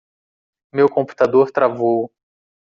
Meu computador travou.